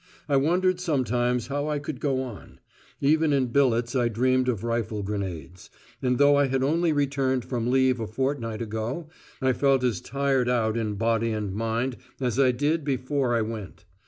I wondered sometimes how I could go on: even in billets I dreamed of rifle grenades; and though I had only returned from leave a fortnight ago, I felt as tired out in body and mind as I did before I went.